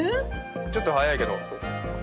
ちょっと早いけど。